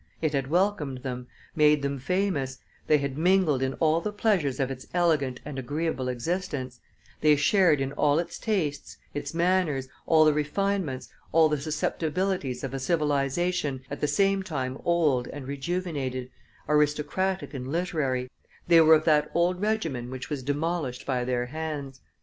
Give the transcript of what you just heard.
It had welcomed them, made them famous; they had mingled in all the pleasures of its elegant and agreeable existence; they shared in all its tastes, its manners, all the refinements, all the susceptibilities of a civilization at the same time old and rejuvenated, aristocratic and literary; they were of that old regimen which was demolished by their hands.